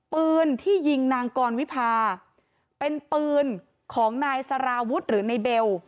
ปืนที่ยิงนางกรวิพาเป็นปืนของนายสาราวุฒิหรือในเบล